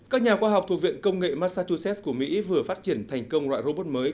các nhà khoa học thuộc viện công nghệ massachusetts của mỹ vừa phát triển thành công loại robot mới